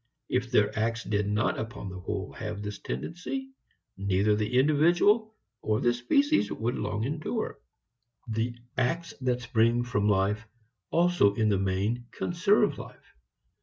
If their acts did not upon the whole have this tendency, neither the individual or the species would long endure. The acts that spring from life also in the main conserve life.